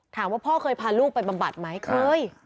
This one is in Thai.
พ่อเคยพาลูกไปบำบัดไหมเคย